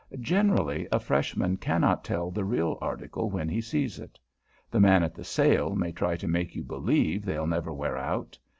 Generally, a Freshman cannot tell the real article when he sees it. The man at the sale may try to make you believe they'll never wear out.